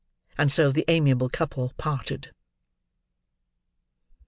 And so the amiable couple parted.